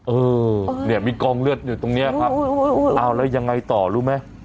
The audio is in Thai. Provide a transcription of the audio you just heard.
เออเนี่ยมีกองเลือดอยู่ตรงนี้ครับเอาแล้วยังไงต่อรู้ไหม